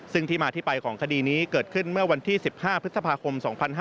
ซึ่งที่มาที่ไปของคดีนี้เกิดขึ้นเมื่อวันที่๑๕พฤษภาคม๒๕๕๙